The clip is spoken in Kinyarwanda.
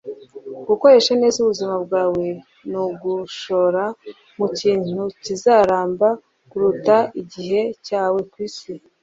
Gukoresha neza ubuzima bwawe ni ugushora mu kintu kizaramba kuruta igihe cyawe ku isi. ”